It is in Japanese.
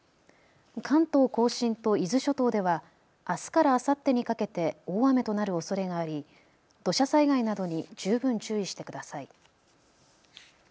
関東甲信と伊豆諸島ではあすからあさってにかけて大雨となるおそれがあり土砂災害などに十分注意してください。